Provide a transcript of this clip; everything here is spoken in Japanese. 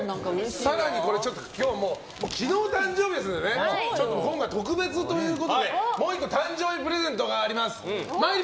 更に、昨日誕生日ですからちょっと今回特別ということでもう１個誕生日プレゼントがあります。